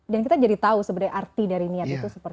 dan kita jadi tahu sebenarnya arti dari niat itu seperti apa